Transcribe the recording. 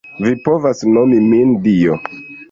Vi povas nomi min, Dio.